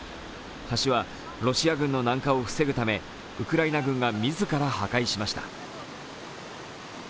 橋はロシア軍の南下を防ぐためウクライナ軍が自ら破壊しました。